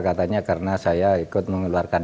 katanya karena saya ikut mengeluarkan